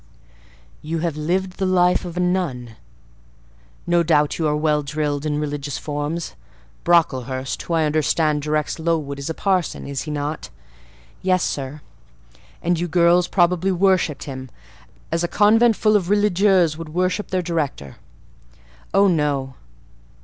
"You have lived the life of a nun: no doubt you are well drilled in religious forms;—Brocklehurst, who I understand directs Lowood, is a parson, is he not?" "Yes, sir." "And you girls probably worshipped him, as a convent full of religieuses would worship their director." "Oh, no."